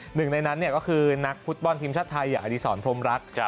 หนึ่งในนั้นก็คือนักฟูตบอลทีมชาติไทยอดิสรพรมรักษ์